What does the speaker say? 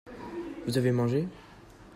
Vous avez mangé ?